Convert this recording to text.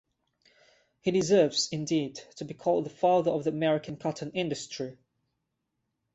He deserves, indeed, to be called the father of the American cotton industry.